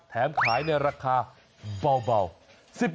แถมขายในราคาเบา๑๐บาทเท่านั้น